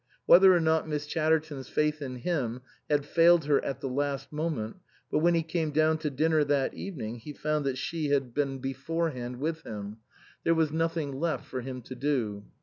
Whether or not Miss Chatterton's faith in him had failed her at the last moment, but when he came down to dinner that evening he found that she had been 125 THE COSMOPOLITAN beforehand with him ; there was nothing left for him to do.